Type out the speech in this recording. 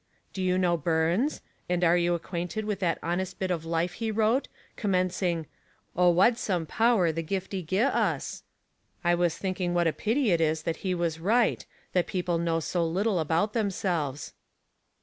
*' Do you know Burns ? and are you acquainted with that honest bit of life he wrote, commencing, ' Oh, wad some power the giftie gie us ?' I was thinking what a pity it is that he was right, that people know so little about themselves."